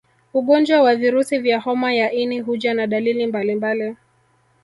Ugonjwa wa virusi vya homa ya ini huja na dalili mbalimbali